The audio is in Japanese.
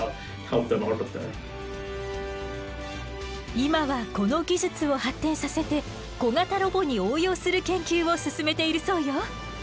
今はこの技術を発展させて小型ロボに応用する研究を進めているそうよ。